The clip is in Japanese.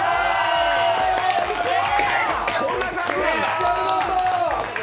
めっちゃうまそう！